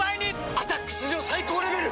「アタック」史上最高レベル！